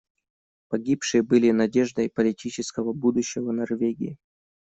Погибшие были надеждой политического будущего Норвегии.